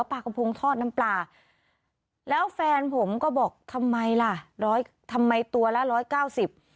ปลากระพงทอดน้ำปลาแล้วแฟนผมก็บอกทำไมล่ะร้อยทำไมตัวละร้อยเก้าสิบ